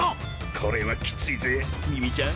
これはきついぜミミちゃん。